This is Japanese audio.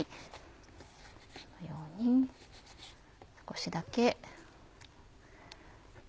このように少しだけ。